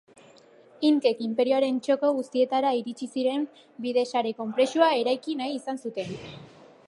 Inkek inperioaren txoko guztietara iristen ziren bide sare konplexua eraiki nahi izan zuten.